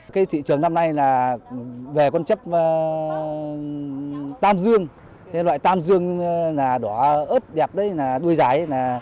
cái thị trường năm nay là về con chép tam dương loại tam dương đỏ ớt đẹp đấy đuôi dài